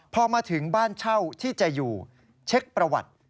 พอมาถึงบ้านเช่าที่จะอยู่เช็คประวัติ